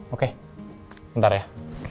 oke ntar ya